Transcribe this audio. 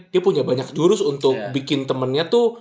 dia punya banyak jurus untuk bikin temennya tuh